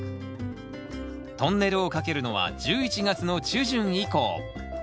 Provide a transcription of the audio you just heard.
トンネルをかけるのは１１月の中旬以降。